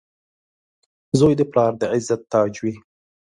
• زوی د پلار د عزت تاج وي.